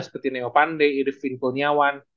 seperti neo pandey irvin kulniawan